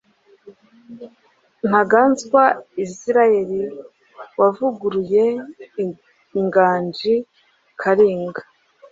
Ntaganzwa Israël wavuguruye "Inganji Karinga"